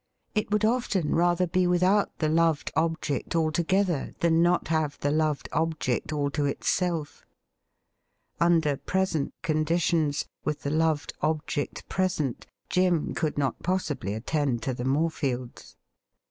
It would often rather be without the loved object altogether than not have the loved object all to itself. Under present condi tions, with the loved object present, Jim could not possibly attend to the Morefields.